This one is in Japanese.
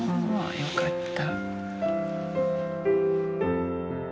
よかった。